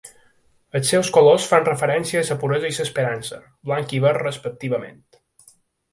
Els seus colors fan referència a la puresa i l'esperança, blanc i verd respectivament.